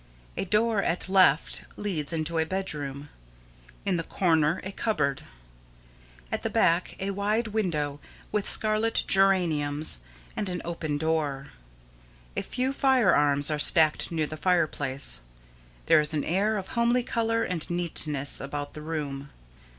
A door at left leads into a bedroom. In the corner a cupboard. At the back a wide window with scarlet geraniums and an open door. A few firearms are stacked near the fireplace. There is an air of homely color and neatness about the room.